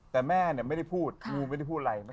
แต่แม่ไม่ได้พูดงูไม่ได้พูดอะไร